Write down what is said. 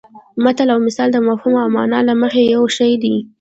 متل او مثل د مفهوم او مانا له مخې یو شی دي